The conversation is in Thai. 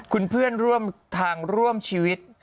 คุณเพื่อนร่วมทางร่วมชีวิต